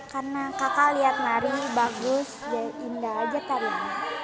karena kakak lihat nari bagus indah aja tariannya